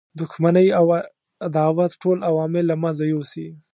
دښمنی او عداوت ټول عوامل له منځه یوسي.